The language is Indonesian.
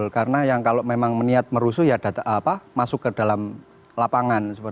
karena kalau memang niat merusuh ya masuk ke dalam lapangan